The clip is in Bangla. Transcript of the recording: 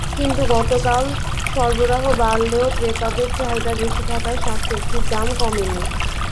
কিন্তু গতকাল সরবরাহ বাড়লেও ক্রেতাদের চাহিদা বেশি থাকায় শাকসবজির দাম কমেনি।